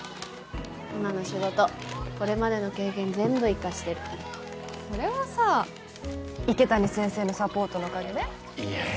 今の仕事これまでの経験全部生かしてるそれはさ池谷先生のサポートのおかげでいえいえ